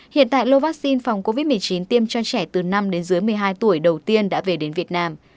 hiện tại lô vaccine phòng covid một mươi chín tiêm cho trẻ từ năm đến dưới một mươi hai tuổi đầu tiên đã về đến việt nam